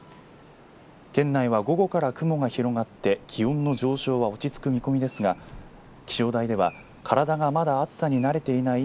県内は、午後から雲が広がって気温の上昇は落ち着く見込みですが気象台では体がまだ暑さに慣れていない